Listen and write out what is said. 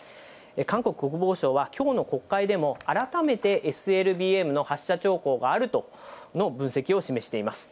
韓国国防省は、きょうの国会でも、改めてＳＬＢＭの発射兆候があるとの分析を示しています。